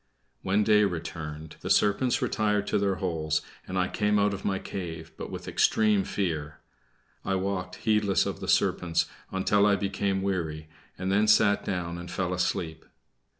When day returned, the serpents retired to their holes; and I came out of my cave, but with extreme fear. I walked heedless of the serpents until I became weary, and then sat down and fell asleep.